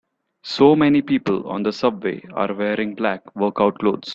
So many people on the subway are wearing black workout clothes.